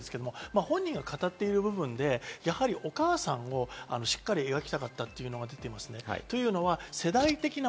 本人が語っている部分で、お母さんを描きたかった、しっかりと描きたかったという話がある。